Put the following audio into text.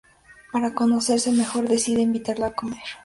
Para conocerse mejor decide invitarla a comer.